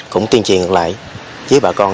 cũng tuyên truyền lại với bà con